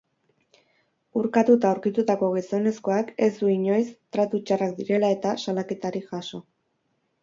Urkatuta aurkitutako gizonezkoak ez du inoiz tratu txarrak direla eta salaketarik jaso.